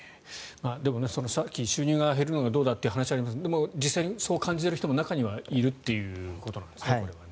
でも、さっき収入が減るのがどうだって話がありますがでも、実際にそう感じている人も中にはいるということなんです。